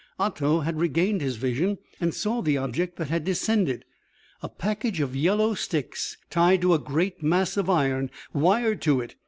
Otto had regained his vision and saw the object that had descended. A package of yellow sticks tied to a great mass of iron wired to it.